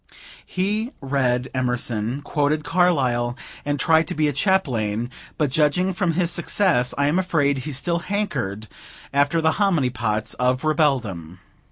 He read Emerson, quoted Carlyle, and tried to be a Chaplain; but judging from his success, I am afraid he still hankered after the hominy pots of Rebeldom.